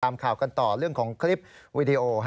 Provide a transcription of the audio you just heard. ตามข่าวกันต่อเรื่องของคลิปวีดีโอ